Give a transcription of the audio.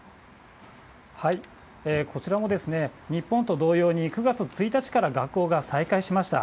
こちらも日本と同様に、９月１日から学校が再開しました。